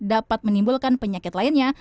dapat menimbulkan penyakit lainnya